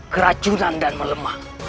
keracunan dan melemah